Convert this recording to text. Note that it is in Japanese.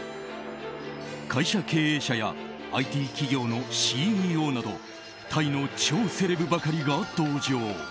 会社経営者やＩＴ企業のＣＥＯなどタイの超セレブばかりが同乗。